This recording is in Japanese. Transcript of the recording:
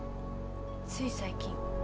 つい最近。